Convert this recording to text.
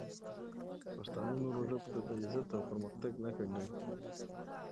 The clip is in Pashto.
پښتانه نورو ژبو ته د عزت او پرمختګ نښه ګڼي.